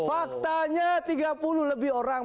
faktanya tiga puluh lebih orang